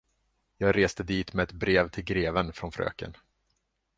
Jag reste dit med ett brev till greven från fröken.